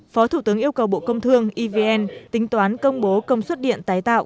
phó thủ tướng yêu cầu bộ công thương evn tính toán công bố công suất điện tái tạo